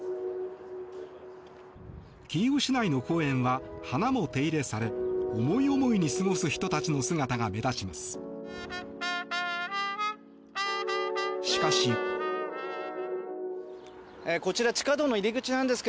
キーウ市内の公園は花も手入れされ思い思いに過ごす人たちの姿が目立ちます。